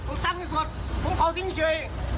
คือสร้างวนสุดผมเผาทิ้งเลือด